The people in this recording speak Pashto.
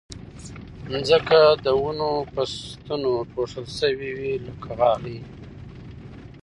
ځمکه د ونو په ستنو پوښل شوې وه لکه غالۍ